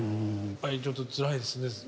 やっぱりちょっとつらいですね。